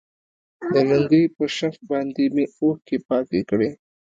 د لونګۍ په شف باندې مې اوښكې پاكې كړي.